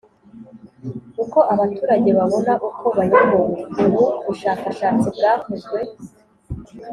Uko Abaturage Babona Uko Bayobowe Ubu Bushakashatsi Bwakozwe